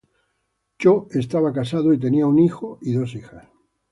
Cho estaba casado y tenía un hijo y dos hijas.